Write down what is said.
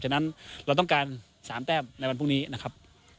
ฉะนั้นเราต้องการ๓แต้มในวันพรุ่งนี้นะครับ